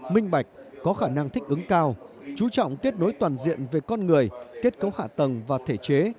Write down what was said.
minh bạch có khả năng thích ứng cao chú trọng kết nối toàn diện về con người kết cấu hạ tầng và thể chế